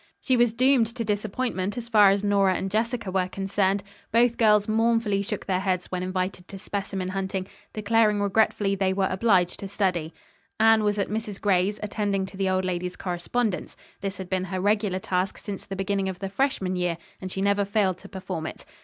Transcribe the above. She was doomed to disappointment as far as Nora and Jessica were concerned. Both girls mournfully shook their heads when invited to specimen hunting, declaring regretfully they were obliged to study. Anne was at Mrs. Gray's attending to the old lady's correspondence. This had been her regular task since the beginning of the freshman year, and she never failed to perform it.